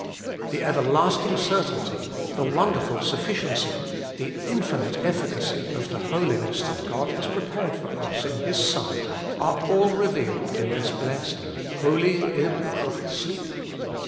The everlasting certainty, the wonderful sufficiency, the infinite efficacy of the Holiness that God has prepared for us in His Son, are all revealed in this blessed, HOLY IN CHRIST.